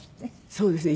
そうですね。